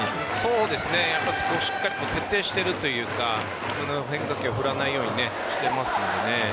そうですね、まずしっかり徹底しているというかこの変化球を振らないようにしていますよね。